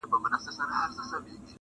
خاص ! لکه د ګل ې دوران داسې و